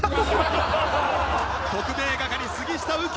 特命係杉下右京